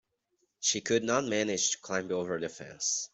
She could not manage to climb over the fence.